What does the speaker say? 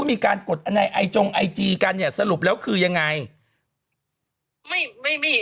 มีการกดในไอจงไอจีกันเนี่ยสรุปแล้วคือยังไงไม่ไม่มี